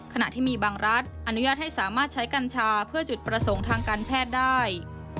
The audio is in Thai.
ขณะที่มีบางรัฐอนุญาตให้สามารถใช้กัญชาเพื่อจุดประสงค์ทางการแพทย์ได้